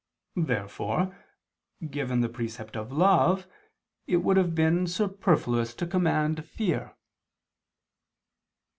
Therefore given the precept of love, it would have been superfluous to command fear.